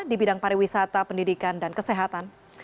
di bidang pariwisata pendidikan dan kesehatan